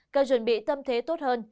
cần chuẩn bị tâm thế tốt hơn